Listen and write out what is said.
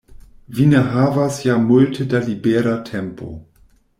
Vi ne havas ja multe da libera tempo.